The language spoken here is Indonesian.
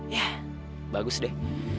yah bagus deh